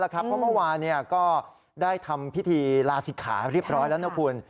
เพราะเมื่อวานก็ได้ทำพิธีลาศิกขาเรียบร้อยแล้วนะคุณ